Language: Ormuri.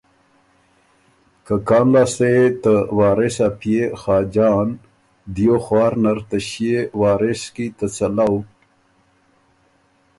که کان لاسته يې ته وارث ا پئے خاجان دیو خوار نر ته ݭيې وارث کی ته څلؤ